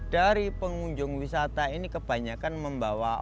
dari pengunjung wisata ini kebanyakan membawa